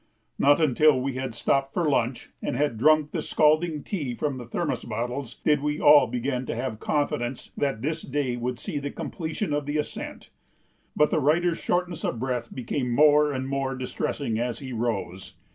Not until we had stopped for lunch and had drunk the scalding tea from the thermos bottles, did we all begin to have confidence that this day would see the completion of the ascent. But the writer's shortness of breath became more and more distressing as he rose.